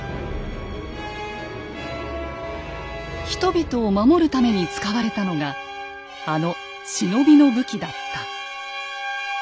人々を守るために使われたのがあの忍びの武器だった。